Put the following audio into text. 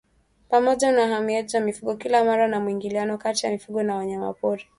Pamoja na uhamaji wa mifugo kila mara na mwingiliano kati ya mifugo na wanyamapori